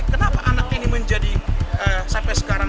kenapa anak ini menjadi sampai sekarang